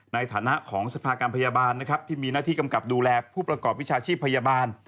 ในฐานะของสภากรรมพยาบาลนะครับที่มีหน้าที่กำกับดูแลผู้ประกอบวิชาชีพพยาบาล